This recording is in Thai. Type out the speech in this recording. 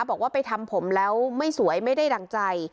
บอกว่าไปทำผมแล้วไม่สวยไม่ได้ดั่งใจ